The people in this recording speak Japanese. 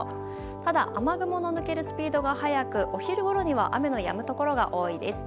ただ雨雲の抜けるスピードが速くお昼ごろには雨のやむところが多いです。